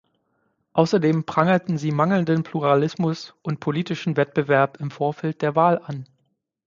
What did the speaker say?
Außerdem prangerten sie mangelnden Pluralismus und politischen Wettbewerb im Vorfeld der Wahl an.